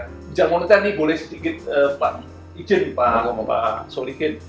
kebijakan moneter ini boleh sedikit pak izin pak